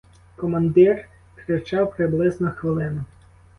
Командир кричав приблизно хвилину.